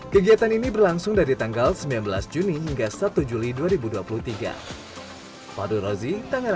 kegiatan ini berlangsung dari tanggal sembilan belas juni hingga satu juli dua ribu dua puluh tiga